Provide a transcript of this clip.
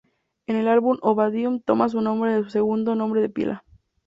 El álbum "Obadiah" toma su nombre de su segundo nombre de pila.